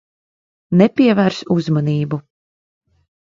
Nepievērs uzmanību.